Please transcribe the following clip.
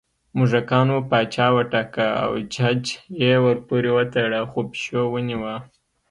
موږکانو پاچا وټاکه او چج یې ورپورې وتړه خو پېشو ونیوه